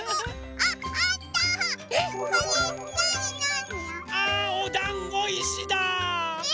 あおだんごいしだ！え？